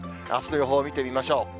あすの予報を見て見ましょう。